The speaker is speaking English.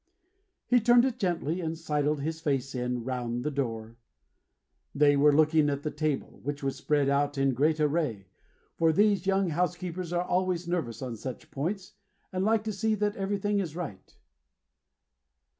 He turned it gently, and sidled his face in, round the door. They were looking at the table (which was spread out in great array); for these young housekeepers are always nervous on such points, and like to see that everything is right.